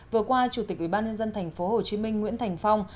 vừa qua chủ tịch ủy ban nhân dân thành phố hồ chí minh nguyễn thành phong